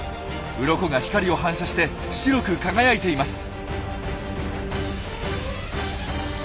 ウロコが光を反射して白く輝いています。